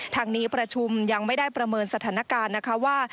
ทางนี้ประชุมยังไม่ได้ประเมินสถานการณ์นะคะว่า